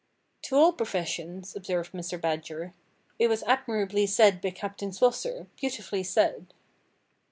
"To all professions!" observed Mr. Badger. "It was admirably said by Captain Swosser; beautifully said!"